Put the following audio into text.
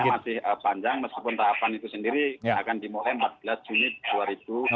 jadi ini masih panjang meskipun tahapan itu sendiri akan dimulai empat belas juni dua ribu dua puluh dua